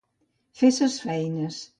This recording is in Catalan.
Fer ses feines.